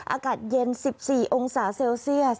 อากาศเย็น๑๔องศาเซลเซียส